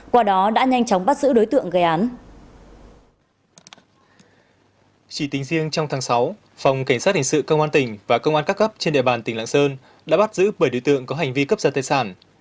chỉ tính riêng trong tháng sáu phòng cảnh sát hình sự công an tỉnh và công an các cấp trên đại bàn tỉnh lạng sơn đã bắt giữ bảy đối tượng có hành vi cấp giật tài sản